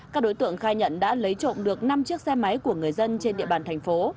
các đối tượng khai nhận đã lấy trộm được năm chiếc xe máy của người dân trên địa bàn thành phố